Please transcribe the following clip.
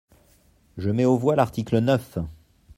Je mets aux voix l’article neuf.